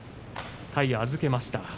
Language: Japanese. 体を預けました。